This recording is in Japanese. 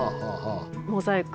モザイク。